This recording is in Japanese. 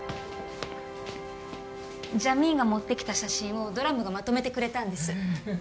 ジャミーンが持ってきた写真をドラムがまとめてくれたんですへえ